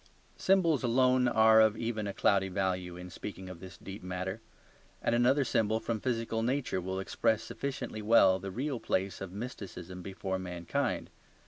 Symbols alone are of even a cloudy value in speaking of this deep matter; and another symbol from physical nature will express sufficiently well the real place of mysticism before mankind.